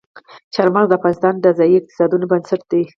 چار مغز د افغانستان د ځایي اقتصادونو بنسټ دی.